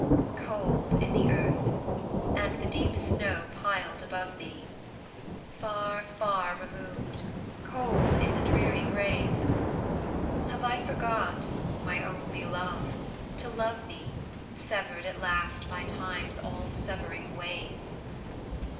Cold in the earth and the deep snow piled above thee, Far, far, removed, cold in the dreary grave! Have I forgot, my only Love, to love thee, Severed at last by Time's all severing wave?